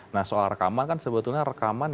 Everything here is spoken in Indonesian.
nah soal rekaman kan sebetulnya rekaman